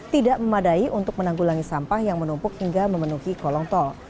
tidak memadai untuk menanggulangi sampah yang menumpuk hingga memenuhi kolong tol